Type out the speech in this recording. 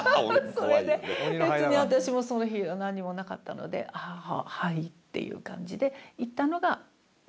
それで別に私もその日なんにもなかったので「ははい」っていう感じでいったのが一番初め。